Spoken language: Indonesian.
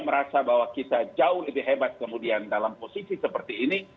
merasa bahwa kita jauh lebih hebat kemudian dalam posisi seperti ini